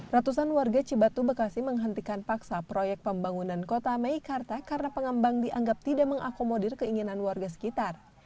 ratusan warga cibatu bekasi menghentikan paksa proyek pembangunan kota meikarta karena pengembang dianggap tidak mengakomodir keinginan warga sekitar